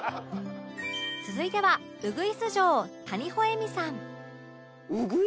続いてはウグイス嬢谷保恵美さん